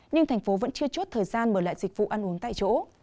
nhưng thành phố vẫn chưa chốt thời gian mở lại dịch vụ ăn uống tại chỗ